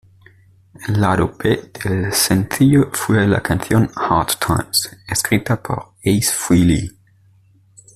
El lado B del sencillo fue la canción "Hard Times", escrita por Ace Frehley.